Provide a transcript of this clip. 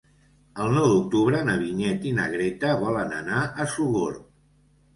El nou d'octubre na Vinyet i na Greta volen anar a Sogorb.